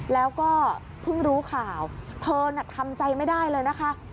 แล้วก็เพิ่งรู้ข่าวเธอน่ะทำใจไม่ได้เลยนะคะ